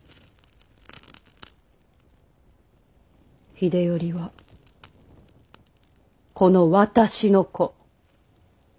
秀頼はこの私の子。